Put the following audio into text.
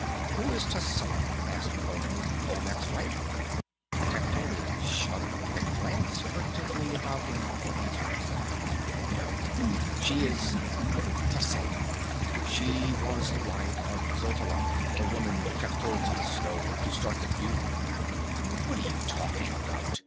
"Who is Tascela?" asked Conan. "Olmec's wife?" Techotl shuddered and glanced furtively about him before answering. "No. She is Tascela! She was the wife of Xotalanc the woman Tecuhltli stole, to start the feud." "What are you talking about?"